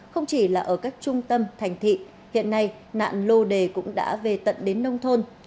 không chỉ là ở các trung tâm thành thị hiện nay nạn lô đề cũng đã về tận đến nông thôn